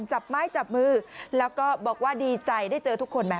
จับไม้จับมือแล้วก็บอกว่าดีใจได้เจอทุกคนไหม